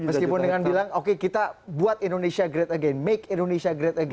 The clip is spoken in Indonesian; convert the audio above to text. meskipun dengan bilang oke kita buat indonesia great again make indonesia great again